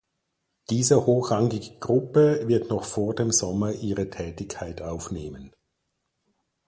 Diese hochrangige Gruppe wird noch vor dem Sommer ihre Tätigkeit aufnehmen.